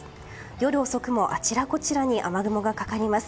夜遅くもあちらこちらに雨雲がかかります。